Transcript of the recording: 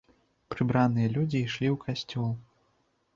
Прыбраныя людзі ішлі ў касцёл.